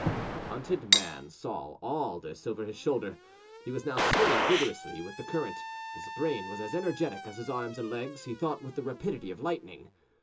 The hunted man saw all this over his shoulder; he was now swimming vigorously with the current. His brain was as energetic as his arms and legs; he thought with the rapidity of lightning.